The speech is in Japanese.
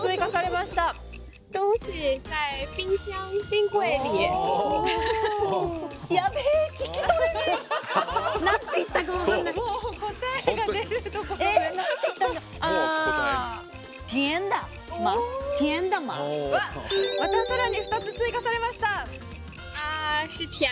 また更に２つ追加されました！